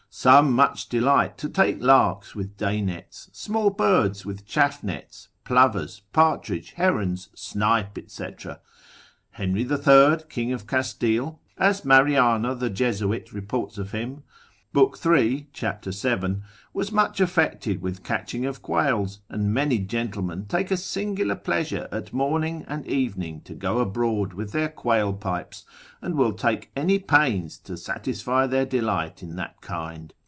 Some much delight to take larks with day nets, small birds with chaff nets, plovers, partridge, herons, snipe, &c. Henry the Third, king of Castile (as Mariana the Jesuit reports of him, lib. 3. cap. 7.) was much affected with catching of quails, and many gentlemen take a singular pleasure at morning and evening to go abroad with their quail pipes, and will take any pains to satisfy their delight in that kind.